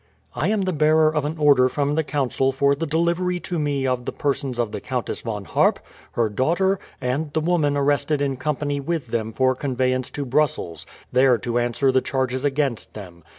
"I am the bearer of an order from the Council for the delivery to me of the persons of the Countess Von Harp, her daughter, and the woman arrested in company with them for conveyance to Brussels, there to answer the charges against them.